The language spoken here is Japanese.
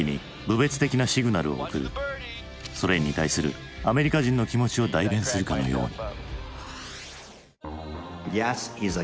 ソ連に対するアメリカ人の気持ちを代弁するかのように。